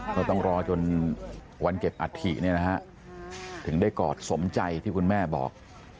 ก็ต้องรอจนวันเก็บอัฐิเนี่ยนะฮะถึงได้กอดสมใจที่คุณแม่บอก